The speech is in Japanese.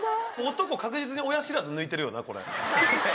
男確実に親知らず抜いてるよなこれ。